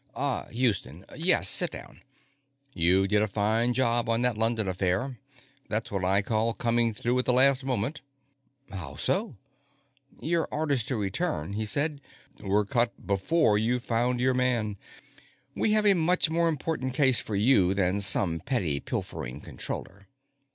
"Ah, Houston. Yes; sit down. You did a fine job on that London affair; that's what I call coming through at the last moment." "How so?" "Your orders to return," he said, "were cut before you found your man. We have a much more important case for you than some petty pilfering Controller.